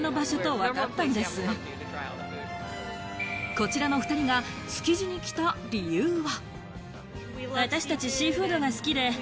こちらの２人が築地に来た理由は。